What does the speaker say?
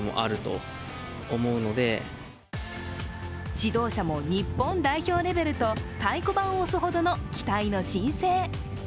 指導者も日本代表レベルと太鼓判を押すほどの期待の新星。